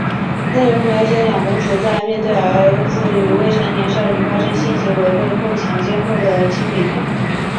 内容描写两母子在面对儿子与未成年少女发生性行为被控强奸后的心理变化。